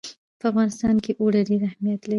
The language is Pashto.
په افغانستان کې اوړي ډېر اهمیت لري.